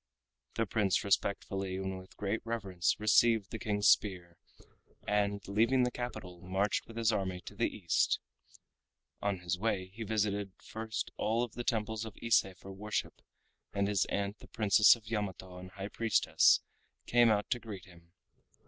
The Prince respectfully and with great reverence received the King's spear, and leaving the capital, marched with his army to the East. On his way he visited first of all the temples of Ise for worship, and his aunt the Princess of Yamato and High Priestess came out to greet him.